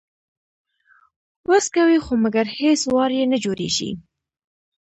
وس کوي خو مګر هیڅ وار یې نه جوړیږي